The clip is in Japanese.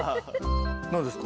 何ですか？